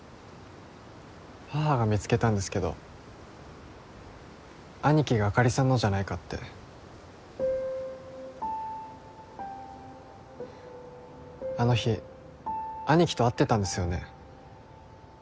母が見つけたんですけど兄貴があかりさんのじゃないかってあの日兄貴と会ってたんですよね？